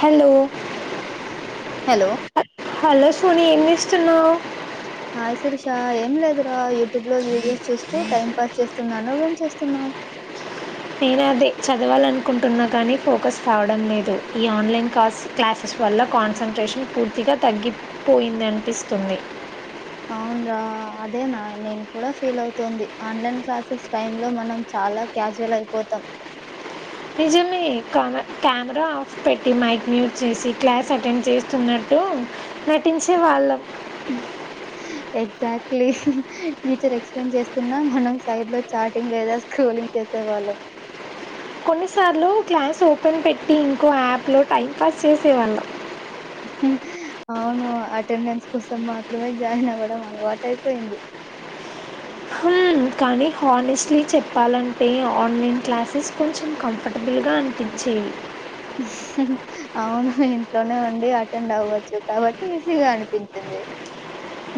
Hello hello hello Soni ఏం చేస్తున్నావ్ hi Sirisha ఏం లేదురా యూట్యూబ్ లో వీడియోస్ చూస్తూ టైం పాస్ చేస్తున్నా నువ్వేం చేస్తున్నావు నేను అదే చదవాలనుకుంటున్నా కానీ ఫోకస్ రావడం లేదు ఈ ఆన్లైన్ కస్ క్లాసెస్ వల్ల కాన్సన్ట్రేషన్ పూర్తిగా తగ్గిపోయిందనిపిస్తుంది అవును రా అదే నా నేను కూడా ఫీల్ అవుతుంది ఆన్లైన్ క్లాసెస్ టైమ్ లో మనం చాలా క్యాజువల్ అయిపోతాం నిజమే కమె కెమెరా ఆఫ్ పెట్టి మైక్ మ్యూట్ చేసి క్లాస్ అటెండ్ చేస్తున్నట్టు నటించే వాళ్ళం ఎగ్జాక్ట్లీ టీచర్ ఎక్స్ప్లెయిన్ చేస్తున్నా మనం సైడ్ లో చాటింగ్ లేదా స్క్రోలింగ్ చేసే వాళ్ళం కొన్నిసార్లు క్లాస్ ఓపెన్ పెట్టి ఇంకో యాప్లో టైం పాస్ చేసేవాళ్ళం అవును అటెండెన్స్ కోసం మాత్రమే జాయిన్ అవ్వడం అలవాటు అయిపోయింది హ్మ్, కానీ హానెస్ట్లీ చెప్పాలంటే ఆన్లైన్ క్లాసెస్ కొంచెం కంఫర్టబుల్గా అనిపించేవి అవును ఇంట్లోనే ఉండి అటెండ్ అవ్వచ్చు కాబట్టి ఈజీగా అనిపించింది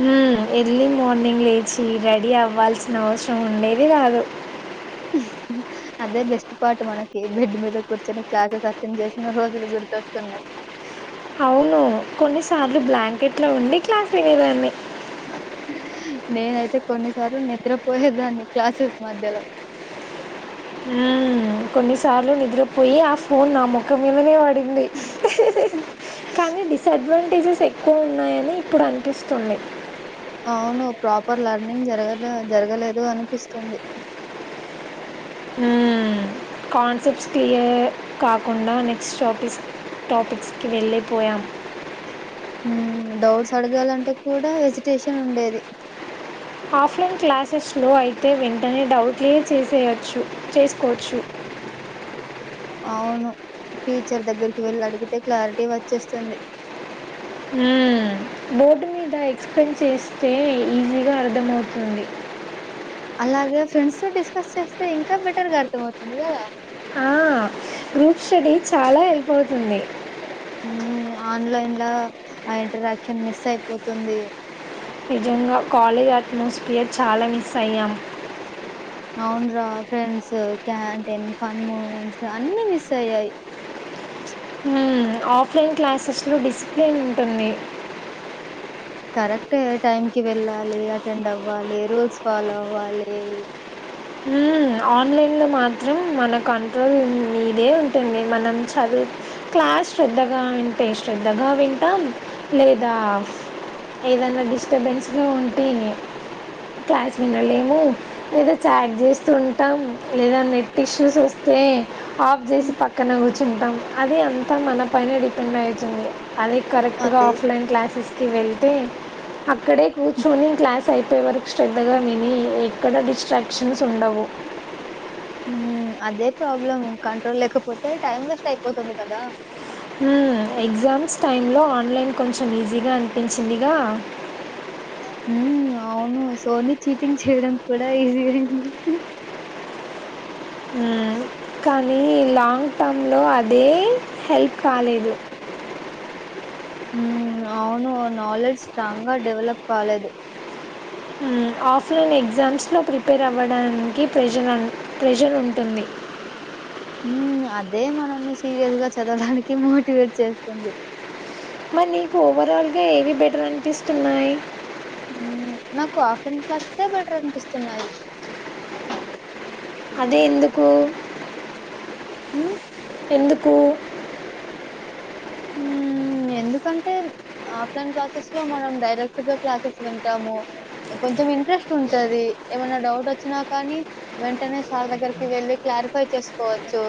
హ్మ్ ఎర్లీ మార్నింగ్ లేచి రెడీ అవ్వాల్సిన అవసరం ఉండేది కాదు అదే బెస్ట్ పార్ట్ మనకి బెడ్ మీద కూర్చొని క్లాసెస్ అటెండ్ చేసిన రోజులు గుర్తొస్తున్నాయి అవును కొన్నిసార్లు బ్లాంకెట్ లో ఉండి క్లాస్ వినేదాన్ని నేనైతే కొన్నిసార్లు నిద్రపోయేదాన్ని క్లాసెస్ మధ్యలో హ్మ్ కొన్నిసార్లు నిద్రపోయి ఆ ఫోన్ నా ముఖం మీదనే పడు తుంది కానీ డిసెడ్వం టేజెస్ ఎక్కువ ఉన్నాయని ఇప్పుడు అనిపిస్తుంది అవును ప్రాపర్ లర్నింగ్ జరగ జరగలేదు అనిపిస్తుంది హూ కాన్సెప్ట్స్ క్లియర్ కాకుండా నెక్స్ట్ టాపిస్ టాపిక్స్కి వెళ్ళిపోయాం డౌట్స్ అడగాలంటే కూడా ఎజిటేషన్ ఉండేది ఆఫ్లైన్ క్లాసెస్లో అయితే వెంటనే డౌట్ క్లియర్ చేసేయచ్చు చేసుకోవచ్చు అవును టీచర్ దగ్గరికి వెళ్ళి అడిగితే క్లారిటీ వచ్చేస్తుంది బోర్డు మీద ఎక్స్ప్లెయిన్ చేస్తే ఈజీగా అర్థమవుతుంది అలాగే ఫ్రెండ్స్ తో డిస్కస్ చేస్తే ఇంకా బెటర్గా అర్థమవుతుంది కదా ఆ గ్రూప్ స్టడీ చాలా హెల్ప్ అవుతుంది ఆన్లైన్ లో ఆ ఇంటరాక్షన్ మిస్ అయిపోతుంది నిజంగా కాలేజ్ అట్మాస్ఫియర్ చాలా మిస్ అయ్యాం అవును రా ఫ్రెండ్స్ క్యాంటీన్ ఫన్ మూమెంట్స్ అన్నీ మిస్ అయ్యాయి ఆఫ్లైన్ క్లాసెస్లో డిసిప్లిన్ ఉంటుంది కరెక్టే టైంకి వెళ్ళాలి అటెండ్ అవ్వాలి రూల్స్ ఫాలో అవ్వాలి ఆన్లైన్లో మాత్రం మన కంట్రోల్ మీదే ఉంటుంది మనం చదువు క్లాస్ శ్రద్ధగా వింటే శ్రద్ధగా వింటాం లేదా ఏదనా డిస్టర్బెన్స్గా ఉంటే క్లాస్ వినలేము స్ట్ చేస్తూ ఉంటాం లేదా నెట్ ఇష్యూస్ వస్త వస్తే ఆఫ్ చేసి పక్కన కూర్చుంటాం అది అంతా మన పనే డిపెండ్ అవుతుంది అదే కరెక్ట్ గా అదే ఆఫ్లైన్ క్లాసెస్కిి వెళ్ళి అ అ ఇక్కడ కూర్చొని క్లాస్ అయిపో వరకు శ్రద్ధగా విని ఎక్కడ డిస్ట్రాక్ట్ ఆప్కన్స్ ఉండవు హ్మ్ అదే ప్రాబ్లం కంట్రోల్ లేకపోతే టైం వెస్ట్ అయిపోతుంది కదా ఎగ్జామ్స్ టైంలో ఆన్లైన్ కొంచెం ఈజీగా అనిపించిందిగా హ్మ్ అవును సోనీ చీటింగ్ చేయడం కూడా ఈజీ అయింది మ్మ్ కానీ లాంగ్ టర్మ్లో అదే హెల్ప్ కాలేదు మ్మ్ అవును నాలెడ్జ్ స్ట్రాంగ్ గా డెవలప్ కాలేదు హ్మ్ ఆఫ్లైన్ ఎగ్జామ్స్లో ప్రిపేర్ అవ్వడానికి ప్రజ ప్రెషర్ ఉంటుంది మ్మ్ అదే మనల్ని సీరియస్ గా చదవడానికి మోటివేట్ చేస్తుంది మరి నీకు ఓవరాల్ గా ఏవి బెటర్ అనిపిస్తున్నాయి మ్మ్ నాకు ఆఫ్లైన్ క్లాసేసే బెటర్ అనిపిస్తున్నాయి అదే ఎందుకు మ్మ్ ఎందుకు మ్మ్ ఎందుకంటే ఆఫ్లైన్ క్లాసెస్ లో మనం డైరెక్ట్గా క్లాసెస్ వింటాము కొంచెం ఇంట్రెస్ట్ ఉంటది ఏమైనా డౌట్ వచ్చినా కానీ వెంటనే సార్ దగ్గరకి వెళ్ళి క్లారిఫై చేసుకోవచ్చు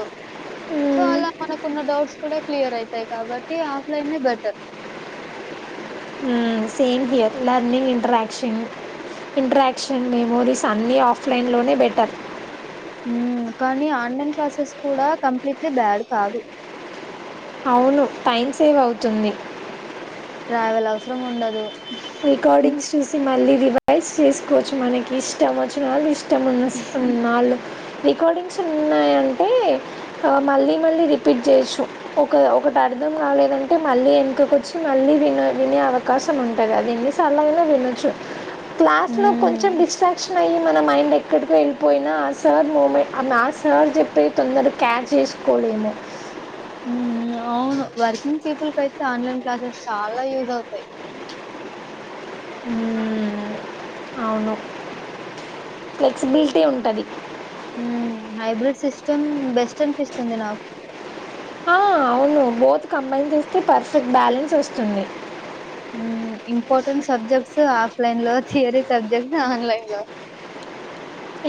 సో హ్మ్. అలా మనకున్న డౌట్స్ కూడా క్లియర్ అయితాయి కాబట్టి ఆఫ్లైనే బెటర్ మ్మ్ same fear learning interaction interaction memories అన్నీ ఆఫ్లైన్లోనే బెటర్ మ్మ్ కానీ ఆన్లైన్ క్లాసెస్ కూడా కంప్లీట్లీ బ్యాడ్ కాదు అవును టైం సేవ్ అవుతుంది ట్రావెల్ అవసరం ఉండదు రికార్డింగ్స్ చూసి మళ్ళీ రివైజ్ చేసుకోవచ్చు మనకి ఇష్టం వచ్చిన వాళ్ళ ఇష్ట ఇష్టం ఉన్న [unintelligible] నాలుగు రికార్డింగ్స్ ఉన్నాయంటే ఆ మళ్ళీ మళ్ళీ రిపీట్ చేయొచ్చు ఒక ఒకటి అర్థం కాలేదంటే మళ్ళీ వెనకకు వచ్చి మళ్ళీ వినా వినే అవకాశం ఉంది కదా ఎన్ని సార్లు అయిన వినచ్చు క్లాస్ లో హ్మ్ కొంచెం డిస్ట్రాక్షన్ అయ్యంది మన మైండ్ ఎక్కడికి వెళ్ళిపోయినా ఆ సార్ మూమెంట్ ఆ మ్యాథ్స్ సార్ చెప్పతే తొందర క్యచ్ చేసుకోలేము అవును వర్కింగ్ పీపుల్ క అయితే ఆన్లైన్ క్లాసెస్ చాలా యూజ్ అవుతాయి హ్మ్ అవును ఫ్లెక్సిబిలిటీ ఉంటది హ్మ్ హైబ్రిడ్ సిస్టమ్ బెస్ట్ అనిపిస్తుంది నాకు ఆ అవును బోత్ కంబైన్ చేస్తే పర్ఫెక్ట్ బ్యాలెన్స్ వస్తుంది హ్మ్ ఇంపార్టెంట్ సబ్జెక్ట్స్ ఆఫ్లైన్ లో థియరీ సబ్జెక్ట్స్ ఆన్లైన్ లో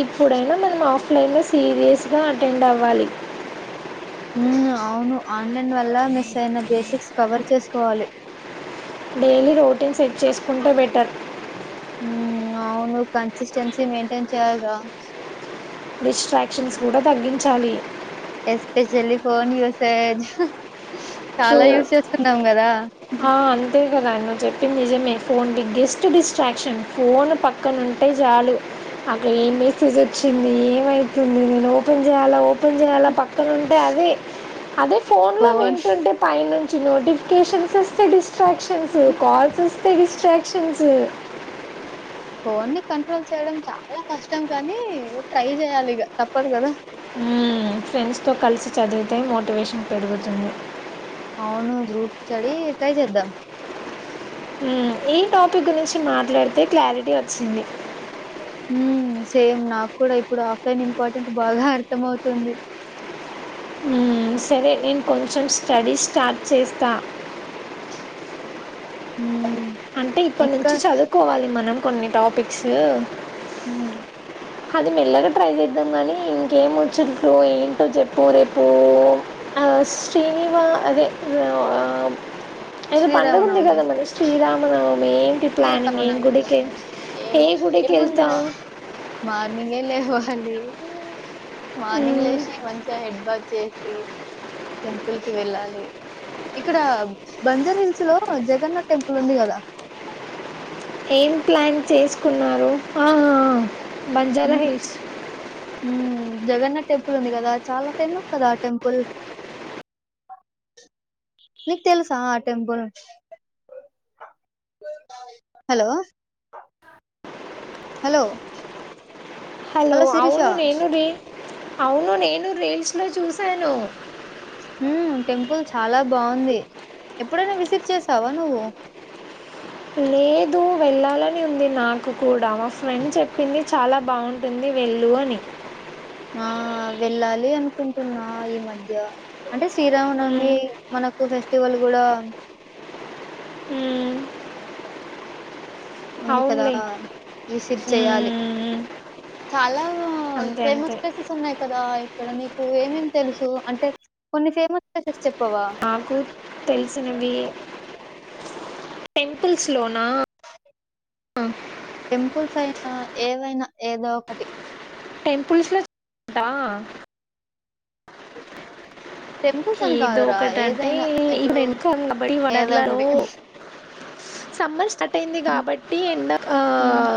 ఇప్పుడైనా మనం ఆఫ్లైన్లో సీరియస్గా అటెండ్ అవ్వాలి హ్మ్ అవును ఆన్లైన్ వల్ల మిస్ అయిన బేసిక్స్ కవర్ చేసుకోవాలి. డైలీ రొటీన్ సెట్ చేసుకుంటే బెటర్ హ్మ్ అవును కన్సిస్టెన్సీ మెయింటైన్ చేయాలి రా డిస్ట్రాక్షన్స్ కూడా తగ్గించాలి ఎస్పీషయల్లీ ఫోన్ యూజ్ చేయొద్దు ట్రూ చాలా యూస్ చేస్తున్నాం కదా ఆ! అంతే కదా నువ్వు చెప్పింది నిజమే ఫోన్ బిగ్గెస్ట్ డిస్ట్రాక్షన్ ఫోన్ పక్కన ఉంటే చాలు అక్కడ ఏం మెసేజ్ వచ్చింది ఏమయితుంది నేను ఓపెన్ చేయాలా ఓపెన్ చేయాలా పక్కన ఉంటే అదే అదే ఫోన్ లో విం పై నుంచి నోటిఫికేషన్స్ వస్తే డిస్ట్రాక్షన్స్ కాల్స్ వస్తే డిస్ట్రాక్షన్స్ ఫోన్ ని కంట్రోల్ చేయడం చాలా కష్టం కానీ ట్రై చేయాలి ఇగ తప్పదు కదా హ్మ్ ఫ్రెండ్స్ తో కలిసి చదివితే మోటివేషన్ పెరుగుతుంది. అవును గ్రూప్ స్టడీ ట్రై చేద్దాం హ్మ్ ఈ టాపిక్ గురించి మాట్లాడితే క్లారిటీ వచ్చింది. హ్మ్ సేమ్ నాకు కూడా ఇప్పుడు ఆఫ్లైన్ ఇంపార్టెంట్ బాగా అర్థం అవుతుంది. హ్మ్ సరే నేను కొంచెం స్టడీ స్టార్ట్ చేస్తా. హ్మ్ అంటే ఇప్పటి నుంచి చదువుకోవాలి మనం కొన్ని టాపిక్సు హ్మ్ అది మెల్లగా ట్రై చేద్దాం కానీ ఇంకేం వచ్చు నీకు ఏంటో చెప్పు రేపు ఆ శ్రీనివా అదే ఆ ఏదో పండగ ఉంది శ్రీరామనవమి కదా మరి శ్రీరామనవు ఏంటి ప్లానింగ్ ఏం శ్రీరామనవమి గుడికీ ఏ గుడికెళతావ్ నీవే లేవాలి లే మార్నింగ్ మ్మ్. లేసి మంచిగా హెడ్ బాత్ చేసి టెంపుల్ కి వెళ్ళాలి ఇక్కడ బంజారా హిల్స్ లో జగన్నాథ్ టెంపుల్ ఉంది గదా ఏం ప్లాన్ చేసుకున్నారు ఆ ఆ బంజారాహిల్స్ పుల్ ఉంది కదా చాలా ఫేమస్ కదా ఆ టెంపుల్ నీకు తెలుసా ఆ టెంపుల్ హలో హలో హలో అవును నేను రీ అవును నేను రీల్స్ లో చూసాను హ్మ్ టెంపుల్ చాలా బావుంది ఎప్పుడైనా విజిట్ చేసావా నువ్వు లేదు వెళ్ళాలని ఉంది నాకు కూడా మా ఫ్రెండ్ చెప్పింది చాలా బావుంటుంది వెళ్ళు అని ఆ వెళ్ళాలి అనుకుంటున్నా ఈ మధ్య అంటే శ్రీరామనమి మ్మ్, మనకు ఫెస్టివల్ కూడా హ్ ఉంది కదా విజిట్ చేయాలి. మ్మ్, చాలా అంతే ఫేమస్ అంతే ప్లేసెస్ ఉన్నాయి కదా ఇక్కడ నీకు ఏమేం తెలుసు అంటే కొన్ని ఫేమస్ ప్లేసెస్ చెప్పవా నాకు తెలిసినవి టెంపుల్స్ లోన్ నా ఆ పుల్స్ అయినా ఏదైనా ఏదో ఒకటి. టెంపుల్స్ లో ఆ టెంపుల్స్ అని ఏదో కాదురా ఒకటి అంటే ఏదైనా ఇప్పుడు [inaudible] ఏదో వనర్లలో ఒకటి సమ్మర్ స్టార్ట్ అయింది కాబట్టి ఎండకు ఆ ఉమ్,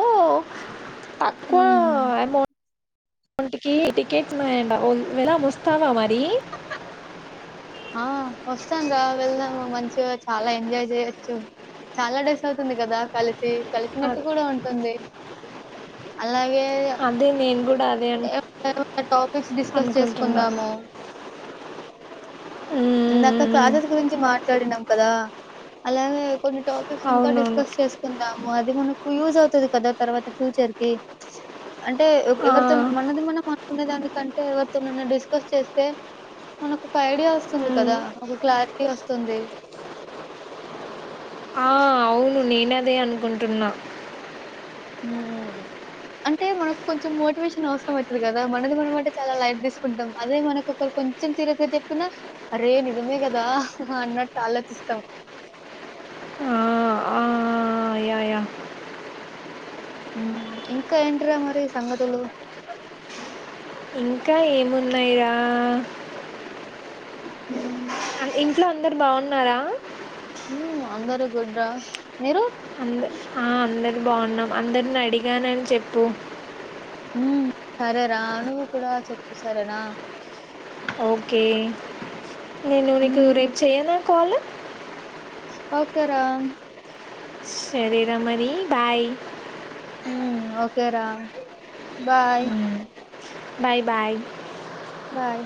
ఓ, తక్కువ ఉమ్. ఎమౌంట్ ఒంటికి టికెట్స్ ఉన్నాయంట వెళ్దాం వస్తావా మరి. ఆ వస్తానురా వెళ్దాము. మంచిగా చాలా ఎంజాయ్ చేయచ్చు. చాలా డేస్ అవుతుంది కదా కలిసి కలిసినట్టు కూడా ఉంటుంది, అలాగే అదే నేను కూ ఎ [inaudible] టాపిక్స్ డిస్కస్ అనుకుంటున్నా చేసుకుందాము. ఇందాక మ్మ్. క్లాసెస్ గురించి మా మాట్లాడినం కదా అలానే కొన్ని టాపిక్స్ ఇంకా అవునవును డిస్కస్ చేసుకుందాము అది మనం యూస్ అవుతది కదా తర్వాత ఫ్యూచర్కి అంటే ఆ, ఎఎవరు మనది మనం అనుకునే దానికంటే ఎవరితోనన్నా డిస్కస్ చేస్తే మనకు ఒక ఐడియా వస్తుంది మ్మ్. కదా ఒక క్లారిటీ వస్తుంది. ఆ, అవును నేను అదే అనుకుంటున్నా. హ్ అంటే మనకు కొంచెం మోటివేషన్ అవసరం అయితది కదా, మనది మనం అంటే చాలా లైట్ తీసుకుంటాం. అదే మనకు ఒకలు కొంచెం సీరియస్ గా చెప్పినా అరే నిజమే కదా అన్నట్టు ఆలోచిస్తాం. ఆ, ఆ, యా యా హ్ ఇంకా ఏంట్రా మరి సంగతులు. ఇంకా ఏమున్నయిరా. హ్ ఇంట్లో అందరు బావున్నారా? హు అందరు గుడ్ రా. మీరు? అంద ఆ అందరు బావున్నాం. అందరిని అడిగానని చెప్పు. ఉ సరేరా. నువ్వు కూడా చెప్పు సరేనా. ఓకే నేను నీకు ఉమ్, రేపు చెయనా కాల్. ఓకేరా. సరే రా మరి బాయ్. హ్మ్ ఓకే రా బాయ్. మ్మ్. Bye bye. బాయ్.